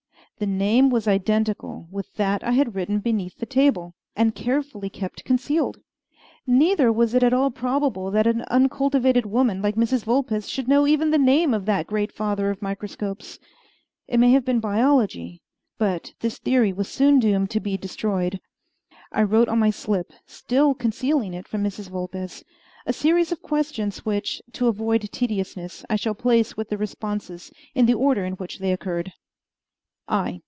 The name was identical with that I had written beneath the table, and carefully kept concealed. Neither was it at all probable that an uncultivated woman like Mrs. Vulpes should know even the name of the great father of microscopies. It may have been biology; but this theory was soon doomed to be destroyed. I wrote on my slip still concealing it from Mrs. Vulpes a series of questions which, to avoid tediousness, I shall place with the responses, in the order in which they occurred: I.